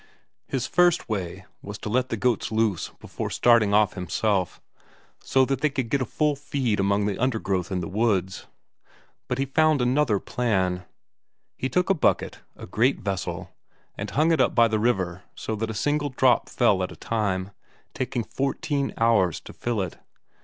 His first way was to let the goats loose before starting off himself, so that they could get a full feed among the undergrowth in the woods. But he found another plan. He took a bucket, a great vessel, and hung it up by the river so that a single drop fell in at a time, taking fourteen hours to fill it.